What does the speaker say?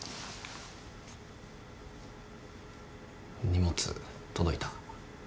荷物届いた。